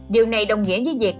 điều này đồng nghĩa với việc